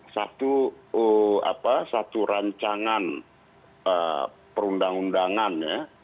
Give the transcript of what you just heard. satu apa satu rancangan perundang undangan ya